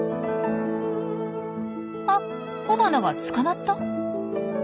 あ雄花が捕まった？